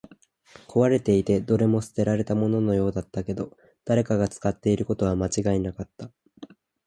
壊れていて、どれも捨てられたもののようだったけど、誰かが使っていることは間違いなかった